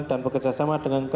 dan bekerja sama dengan kesehatan